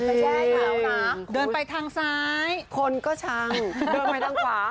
แย่เขานะเดินไปทางซ้ายคนก็ชังเดินไปทางขวา